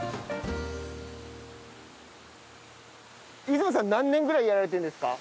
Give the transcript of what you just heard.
出雲さん何年ぐらいやられてるんですか？